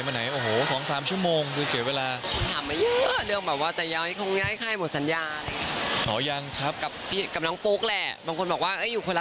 มันก็ไม่เกี่ยวกับว่ายังไงเราก็ยังเจอกันได้